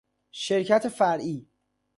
شرکت فرعی